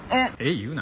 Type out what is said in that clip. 言うな。